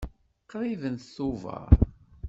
Qrib d Tubeṛ.